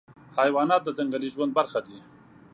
حیوانات د ځنګلي ژوند برخه دي.